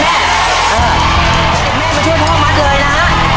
เห็นแม่มาช่วยพ่อมัดเลยนะฮะ